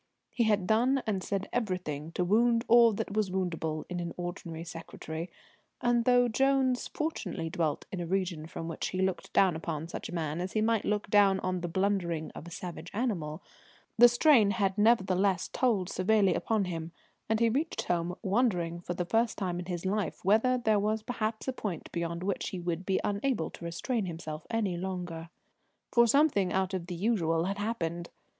He had done and said everything to wound all that was woundable in an ordinary secretary, and though Jones fortunately dwelt in a region from which he looked down upon such a man as he might look down on the blundering of a savage animal, the strain had nevertheless told severely upon him, and he reached home wondering for the first time in his life whether there was perhaps a point beyond which he would be unable to restrain himself any longer. For something out of the usual had happened.